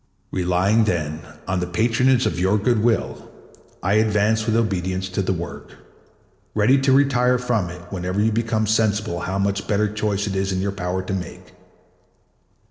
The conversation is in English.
5 Relying, then, on the patronage of your good will, I advance with obedience to the work, ready to retire from it whenever you become sensible how much better choice it is in your power to make.